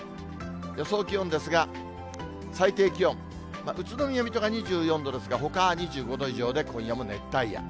予想気温ですが、最低気温、宇都宮、水戸が２４度ですが、ほかは２５度以上で今夜も熱帯夜。